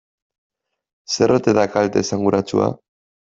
Zer ote da kalte esanguratsua?